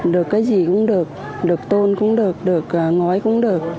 được cái gì cũng được được tôn cũng được được ngói cũng được